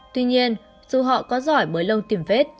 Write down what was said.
tuy nhiên dù họ có giỏi bới lông tìm vết